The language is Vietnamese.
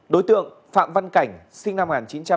đối tượng phạm văn cảnh sinh năm một nghìn chín trăm tám mươi